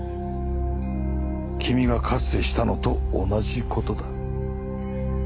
君がかつてしたのと同じ事だ。